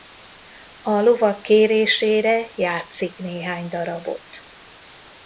A lovag kérésére játszik néhány darabot.